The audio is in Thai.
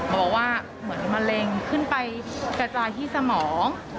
บอกว่าเหมือนมะเร็งขึ้นไปกระจายที่สมอง